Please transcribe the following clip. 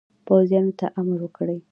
پوځیانو ته امر وکړ.